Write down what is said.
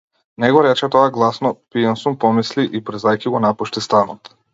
Не го рече тоа гласно, пијан сум помисли, и брзајќи го напушти станот.